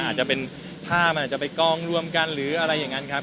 อาจจะเป็นผ้ามันอาจจะไปกองรวมกันหรืออะไรอย่างนั้นครับ